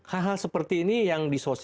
hal hal seperti ini yang disosialisasikan